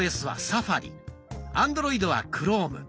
アンドロイドは「クローム」。